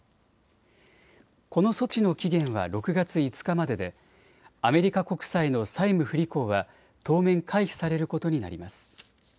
この措置の期限は６月５日まででアメリカ国債の債務不履行は当面、回避されることになります。